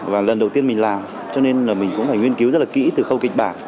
và lần đầu tiên mình làm cho nên là mình cũng phải nghiên cứu rất là kỹ từ khâu kịch bản